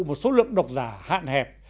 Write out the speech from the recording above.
một số lượng độc giả hạn hẹp